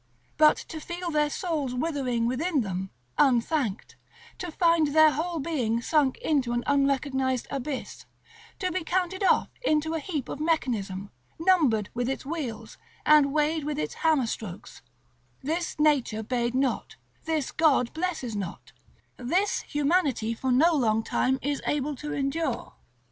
But to feel their souls withering within them, unthanked, to find their whole being sunk into an unrecognized abyss, to be counted off into a heap of mechanism, numbered with its wheels, and weighed with its hammer strokes; this nature bade not, this God blesses not, this humanity for no long time is able to endure.